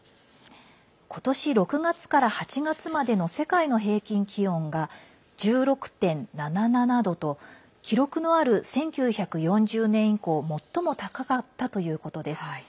今年６月から８月までの世界の平均気温が１６．７７度と記録のある１９４０年以降最も高かったということです。